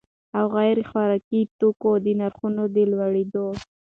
او غیر خوراکي توکو د نرخونو د لوړېدو